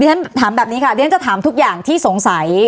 ฉันถามแบบนี้ค่ะเรียนจะถามทุกอย่างที่สงสัย